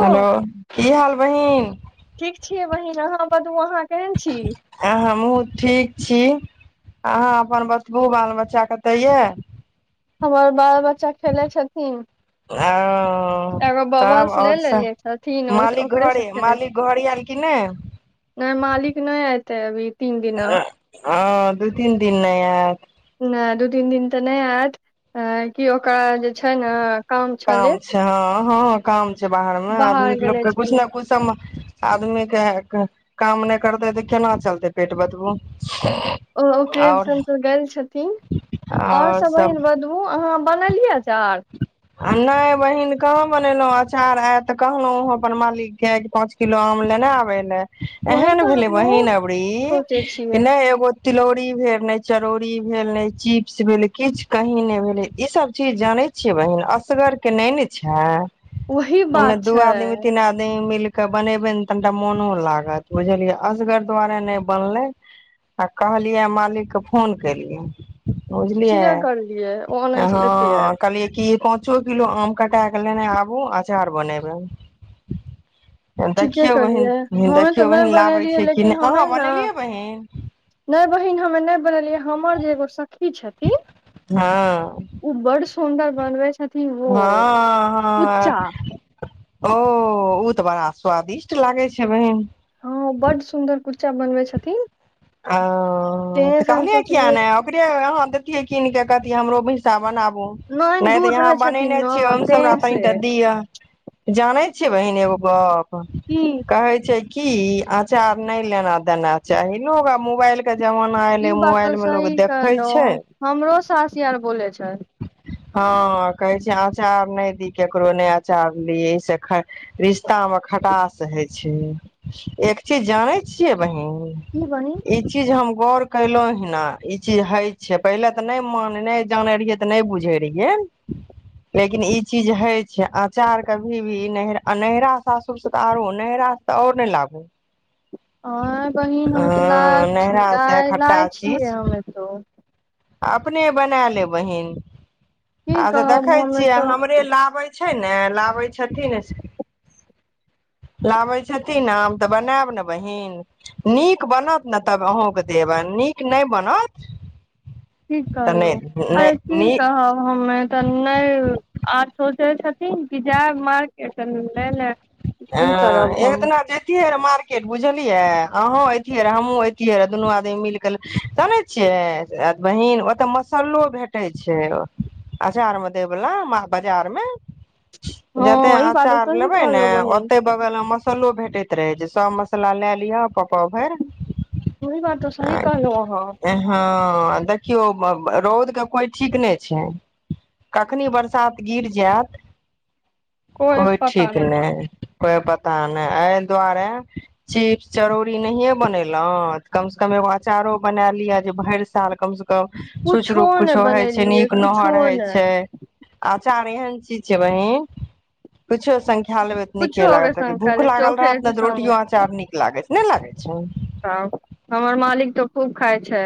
hello की हाल बहिन ठीक छियै बहिन अहाँबतबूअहाँ ह [inaudible] आ हमहूँ ठीक छी अहाँ अपन बतबू बाल बच्चा कतऽ यए हमर बाल बच्चा खेले छथिन ओ एगो तब बबल्स ले आओर लेले छथिन ओ मालिक ओकरे से घरे खेले मालिक घरे आर कि नहि नहि मालिक नहि एयतै अभी तीन दिना हँ दू तीन दिन ने यतऽ नहि दू तीन दिन तऽ नहि आयत आ कि ओकरा जे छै ने काम छै हँ हँ काम छै बाहर में आदमी के लोक गेले के कुछ छलै ने कुछ सबम आदमीे के काम नहि करतै तऽ केना चलतै पेट बतबू ओकरे आओर संग छथिन और सब एहिन बघू ओ अहाँ बनलियै आचार आ नहि बहिन कहाँ बनेलहुँ अचार आयत तऽ कहलहुँ वह अपन मालिकके पाँच किलो आम लेने आबे ले वही एहन तऽ भेलै हमहुँ बहिन अबरी सोचे कि छियै नहि एगो तिलौरी भेल ने चरौरी भेल ने चिप्स भेल किछ कही ने भेले इ सब चीज जाने छै बहिन असगर के नहि ने छै वही इमे बात दू छै आदमी तीन आदमी ने मिल कऽ बनेबै ने तनिटा मोनो लागत बुझलियै असगर दुआारे नहि बनलै आ कहलियै मालिकके फोन केलियै बुझलियै ठीके करलियै ओ ओने से हँ लेते आब कहलीयै कि पाँचो किलो आम कटा हऽ लेनै आबो आचार बनबै [inaudible] ठीके देखियौ कहलियै बहिन हमे तऽ देखियौ नहि बहिन लाबै बनेलियै छै कि लेकिन नहि हमे अहाँ ने बनेलियै बहिन नहि बहिन हममे नहि बनेलियै हमर जे एगो सखी छथिन हँ ओ बड़् सुन्दर बनबै छथि हँ हँ ओ ओ तऽ बड़ा स्वादिष्ट लागे छै बहिन हँ बड सुन्दर कुर्चा बनबै छथिन ओ तें तऽ से हम कहल एऽ किया सोचलियै नहि ओकरे अहाँ देतियै कीन के कहतए हमरो हिस्सा बनाबू नैन नहि तऽ दूर यहाँ रहै छथिन बनेने ने छियै ओहिसँ हमरा तें से तनिटा दिअ जानै छियै बहिन एगो गप की कहै छै कि अचार नहि लेना देना चाही लोग आब मोबाइल के जमाना एले ई बात तो मोबाइल मे लोग सही देखै कहलो छै हमरो सासआर बोले छथ हँ कहै छै अचार नहि दी केकरो नहि अचार ली एहि से खऽ रिश्ता मे खटास होइ छै एक चीज जानै छियै बहीन की बहिन ई चीज हम गौर केलो हि ने इ चीज हे छै पहिले ते नहि मान नहि जाने रहिये तऽ नहि बुझै रहियऽ लेकिन ई चीज हय छै अचार कभी भी नहरा नैहरा सासुर से तऽ आरो नैहरा तऽ आओर नहि लाबू आ बहिन हम एऽ लाय हँ छी नैहरा से खट्टा लाय छीयै चीज हम एतौ अपने बना ले बहिन की अच्छा कहब देखै हमे छियै तो हमरे लाबै छै ने लाबै छथिन लाबै छथिन आम तऽ बनायब ने बहिन नीक नीक बनत ने तब अहूँके देब नीक नहि बनत ठीक तऽ कहलहु नहि नहि अरे की नीक कहब हमे तऽ नहि आर सोचै छथिन कि जय मार् एस हँ एक दिना जतियै मारट बुझलियै अहो ऐतियै र हमहु ऐतिये र दुनू आदमी मिल क तब ने चय अर बहीन ओतऽ मसल्लो भेटै छै अचार मे दै वला मह बाजार मे हँ ईह बात सही लेबे ने कहलहु बहिन ओते बगल मे मसल्लो भेटैत रहे जे सब मसला लए लिह प प भैर ओहि बात तऽ सही कहलहु अहाँ ह हँ देखियौ रौद के कोइ ठीक नहि छै कखनी बरसात गिर जायत कोइ ठीक नहि के पता नहि एऽ दुआरे चीपस जरूरी नहि बनेलहू कमसँ कम एगो अचारो बना लिए जे भरि साल कम सॅं कम क कुछो शुचरूप नहि कछो होइ छै बनेलियै नीक कुछो नहर हैइ छै नहि आ चार एहन चीज छै बहिन कुछो संख्या लेबे तऽ नीके कुछो के लागत संग खा भूख ले लागल चोखे रहत न के ने तऽ संग रोटियो आंचार नीक लागे छै नहि लागै छै तऽ हमर मालिक तऽ खूब खाइ छै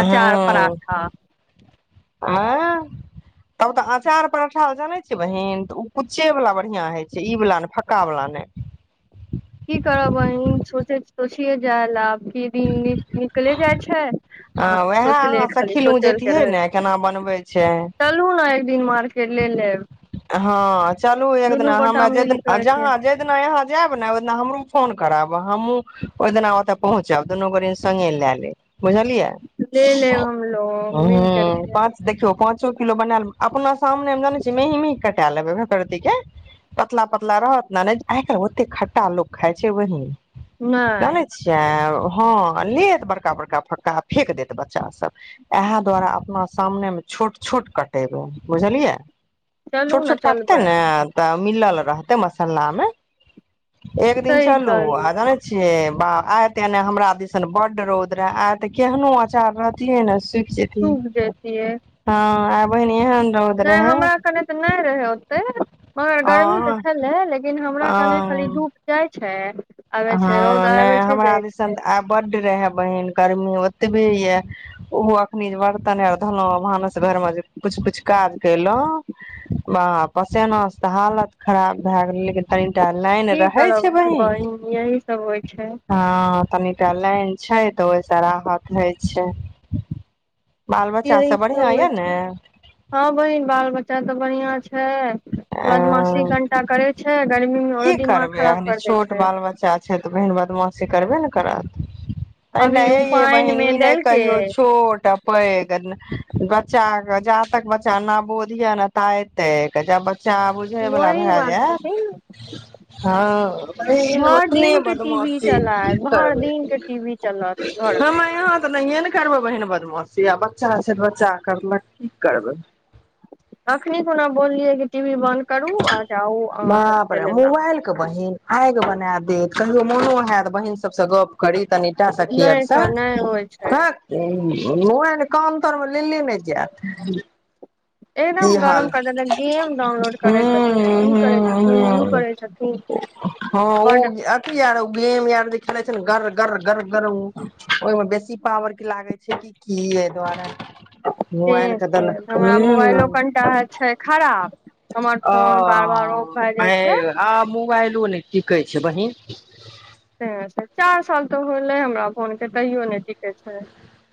अचार पराठा आ तब तऽ अँचार पठा जानै छ बहीन तऽ ओ कुच्चे वला बढ़िआँ होइ छै ई वला नहि फक्कावला नहि की करब बहिन सोच सोचिये जायल आब की दिन निकले जाइ छै ह आ हमे उएह सोचले अहाँ खाली सखी लू सोचल के जैतिहे रहे ने केना बनबै छै चलू ने एक दिन मार्केट ले लेब हँ चलू एक दुनू दिना गोटा हमे जेड मिल करके जहाँ हि दिना यहाँ जायब ने ओहि दिना हमरो फोन करब हमहुँ ओहि दिना ओते पहुँचब दुनू गरे सोन्गे ले लैब बुझलियै ले लेब हमलोग मिल ह करके पाँच देखियौ पाँचो किलो बना ले अपना सामनेमे जानै छी मेहीं मेहं कटा लेबै भरतती के पतला पतला रहत ने नहि आइ काल्ह ओते खट्टा लोक खाय छै वही जानै नहि छै जे हँ लेत बड़का बड़का फक्का फेक देत बच्चा सब इएह दुआरे अपना सामनेमे छोट छोट कटेबै बुझलियै चलू छोट ने छोट काटते चलबै ने तऽ मिलल रहते मसाला मे एक दिन सही चलू कहलू आ जाने छै बा आइ ते एने हमरा दिसन बड्ड रौद रहे आ ते केहनो अचार रहतीये ने सुख जेत सूख देती है हँ आ बहिन यहे ने नहि हमरा कने तऽ नहि रहय ओते मगर आ गर्मी तऽ छलै लेकिन लेकिन हमरा कने खाली धूप जाइ छै आबै हँ छै रौद नहि आबै छै हमरा जाइ दिसन छै तऽ आब बड्ड रहए बहिन गर्मी ओतबे यए ओहो अखनी जे बर्तन आर धोलहु भानस घरमे जे कुछ कुछ काज कयलहुँ बाह पसेना से तऽ हालत खराब भए गेलै लेकिन कनिटा लाइन की रहै करब छै बहिन यही सब होइ छै हँ तनिटा लाइन छै तऽ ओहिस राहत होय छै बाल बच्चास यही सब बढ़िआं होइ यए छै ने हँ बहिन बाल बच्चा तऽ बढ़ियां छै अ बदमासी कनिटा करे छै छै गर्मी मे की औरो दिमाग करबै खराब अखनी कर दै छोट छै बाल बच्चा छै तऽ बहिन बदमाशी करबे ने करत अइ नहि अभी दाई उ अइयै पानि बहिन मे ई नहि देलकै कहियौ छोट पैघ बच्चा के जा तक बच्चा नबोधिया ने ताए तैक जब बच्चा बुझै बला वही भए बात जायत छथिन हँ बहिन भरि ओतने दिन के टीवी बदमाशी कि चलाय भरि करबै दिन के टीवी चलत घर मे हमे यहां तऽ नहिए ने करबै बहिन बदमाशी आ बच्चा छै तऽ बच्चा करलक की करबै तखनी खुना बोललियै कि टीवी बंन्द करू आ जाउ अहाँ सब खेलै ला काल्हि कऽ बहिन आइग बना देत कहियो मोनो हेयत बहिन सभसँ गप करि तनीटा सखी नहि आरसँ तऽ नहि होइ छै तक उहै ने कान तर मे लेले नहि जायत एकदम ई गरम हाल क देतैन गेम डाउनलोड करै छथिन हूं ई करे हूं छथिन उ हूं करै छथिन हँ बड ओ र गेम यर जे खेले छै गर गर गर ग ओहि में बेसी पावर क लाग ल छै कि एहि दुआरे मोबाइल के देलक ह कनटा छै खराब हमर ओ फोन बार बार ऑफ भए जाइ आइ छै आ मोबाइलो नहि टिकै छै बहिन चार साल तऽ होलै हमरा फोनके तैयो नहि टिके छै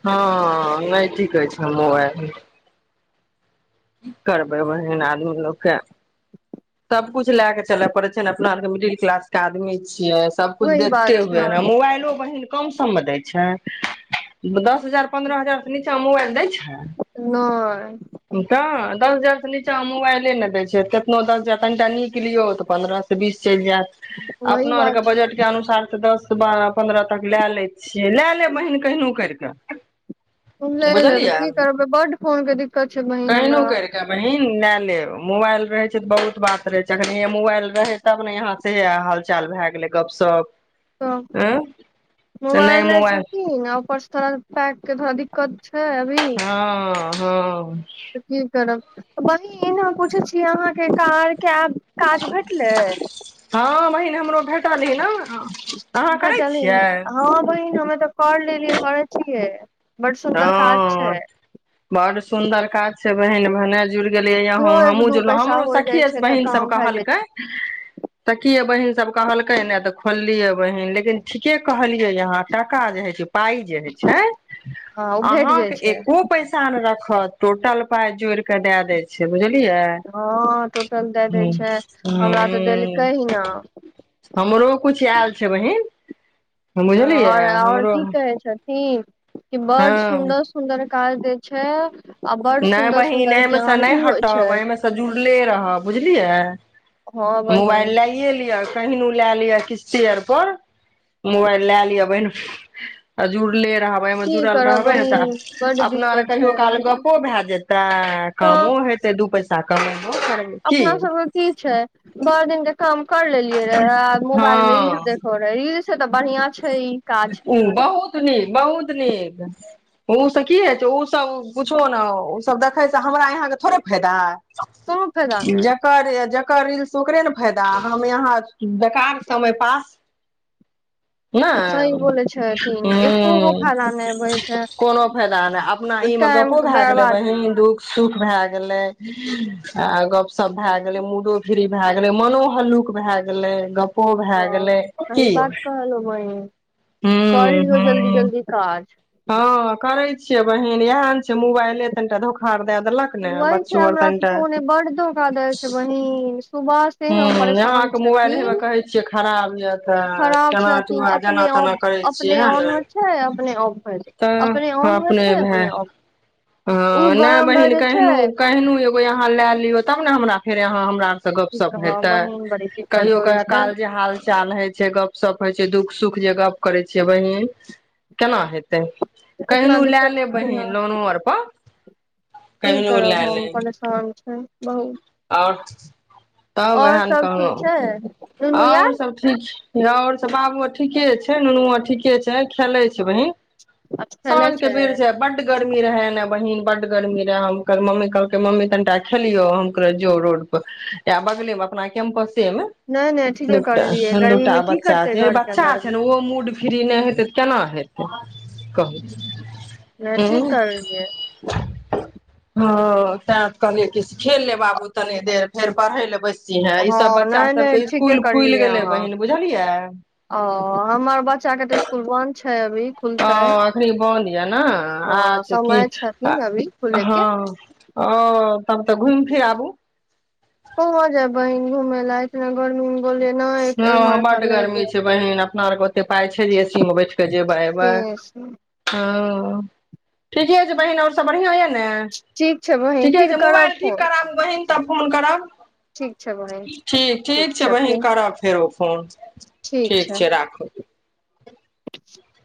हँ नहि टिकै छै मोबाइल कि करबै बहिन आदमी लोकके सब कुछ लय के चलय पड़े छै ने अपना आर के मिडिल क्लास के आदमी छिये सबकुछ वही देखते बात हुएै छै हं मोबाइलो बहिन कम सम मे दै छै दस हजार पंन्द्रह हजार से नीचा मे मोबाइल दै छै नहि त दस हजार से नीचामे मोबाइले नहि दै छै केतनो दस हजार कनिटा निक लियौ तऽ पन्द्रह त बीस चलि जायत वही अपना बात आरके छै बजटके अनुसार तऽ दस बारह पन्द्रह तक लए लै छियै लए लेब बहिन केहनो करि कऽ लए लेबै बुझलियै की करबै बड्ड फोन क दि कहिनो करिके वहीं न लए लेब मोबाइल रहे छै त बहुत बात रहे छै अखन इहै मोबाइल रहे तब ने यहां स सएह हाल चाल भए गेलै गपशप तऽ एँ मोबाइल लै छथिन आ ओपरस थोरा पाई के थोरा दिक्कत छै अभी हं हं तऽ की करब बहिन हम पूछै छी अहाँके कार्य के आब काज भेटलै हँ बहिन हमरो भेटल ही न भेटलै ने हँ बहिन हमे तऽ कर लेलियै करै छियै बड सुन्दर काज छै बड़ सुंदर काज छै बहिन भने जुड़ गेलियै अहूँ इहो एक हमुँ दू जुड़लौं पैसा हमरो हो जाइ सखिये छै तऽ बहिन सब काम भए जाइ कहलकै छै सखिये बहिन सब कहलकै ने तऽ खोललियै बहिन लेकिन ठीके कहलियै अहाँ टाका जे होइ छै पाइ जे होइ छै हँ ओ भेट जाइ अहाँके छै एको पैसा नै रखत टोटल पाय जोड़ि क दए देय छै बुझलियै हँ टोटल दैए दै हूँ छै हमरा तऽ हूँ देलकै ही न हमरो किछु आयल छै बहिन बुझलियै हमरो हीं कि बड हँ सुन्दर सुन्दर काज दै छै बड नहि सुन्दर बहिन सुन्दर एहिमेसँ ज्ञान नहि भी होइ छै हटब एहिमेसँ जुड़ले रहब बुझलियै हँ बहिन मोबाइल लाऐ लिअ कहिनो लए लिअ किस्तें आर पर मोबाइल लए लिअ बहिन अ जुड़ले रह की जुड़ल करब रहबे न त बहिन बड अपना आर दिक्कत कहियो छै काल अभी ग प भए जेत्तै तऽ कामो हेते दू पैसा कमेबो कर अपना सब के की छै भैर दिन के काम कैर लेलियै रहाय हँ मोबाइल मे इल देख रिल स त बढ़ियां छै ई काज बहुत नीक बहुत नीक उसभ की होइ छै उसब कुछो ने उसभ देखै से हमरा यहाँके थोड़े फेदा है कोनो फायदा नहि ज जकर रील्स ओकरे ने फायदा ह यहाँ बेकार समय पास [inaudible] सही बोलय छैथ हुं कोनो फायदा नय अपना ई मे टाइम गपो के भए गेलेब बहि बर्बादी दुःख सुख भए गेलै आ गपशप भए गेलै मूडो फ्री भए गेलै मनो हल्लुक भए गेलै गप्पो भए गेलै की चलु बहिन ह कर लियौ जल्दी ह जल्दी काज हँ करे छियै बहिन इएह ने छै मोबाइले तनिटा धोखा और दए देलक ने वहि छै बच्चो आर हमरा त तनिटा फोने बड धोखा देय छै बहीन सुबह से हूँ हम परेशान अहाँके मोबाइल हेबे थीन कहै छियै खराब यऽ तऽ खराब केना छथिन टुआ जेना अपने तेना करै अप छियै है आन ने होय अपने अफ हो छै अपने तऽ अन होइ भए छैने अफ हँ नहि बहिन केहनो छै केहनो एगो यहाँ लए लियौ तब ने हमरा फेर आहाँ हमरा त की गपशप कहब हेतै बहिन बड़ी दिक्कत कहियो क होइ छै काल जे हाल चाल होय छै गप सप होइ छै दुःख सुख जे गप करै छियै बहिन केना हेतै इतना कहिनो लए दिक्कत लेब छथिन न बहीन लोनो औरपर की करब हम परेशान छी आप तब और ओएह ने सब ठीक छै कहहु दुनू आओर यार सब ठीक छै आओर सब बाबूआ ठीके छै नुनु आ ठीके छै खेलै छै बहिन अब खेले साझ के बेर छै बड बड गर्मी रहे एने बहिन बड गर्मी रहे हम मम्मी कहलकै मम्मी कनिटा खेलियौ जो रोड पर या बगले मे अपना कैम्पसे मे नहि नहि ठीके दुटा करलियै गर्मी दूटा मे की बच्चा करतै घर के बच्चा अन्दर छै ने ओ मुड फ्री नहि हेै तऽ केना हेते कहु नहि हं ठीक करलियै हँ तैंत कहलियै कि खेल लेय बाबू तनि देर फेर पढ़ै ले बैस ह ई हँ सब बच्चा नहि सबके नहि ठीके इसकुल खुल करलियै गेलै अहाँ बहिन बुझलियै ओ हमर बच्चा के तऽ इसकुल बंन्द आ अखनि बन्द या न हँ आछ की समय छथिन अभी खुले के हँ ओ तब तऽ घुम फिर आबु जेब बहिन घुमै ल हँ स बड नहि जेब गर्मी छै बहिन अपना आरके ओते पााय छै जे एसी मे बैठ के जेबै एबै से हँ ठीके छै बहिन आओर सब बढ़िआँ यऽ ने ठीक छै बहिन ठीके फिर छै करब मोबाइल ठीक फोन करबु बहिन तऽ फोन करब ठीक छै बहिन ठीक ठीक छै बहिन करब फेरो फोन ठीक छै राखू [inaudible]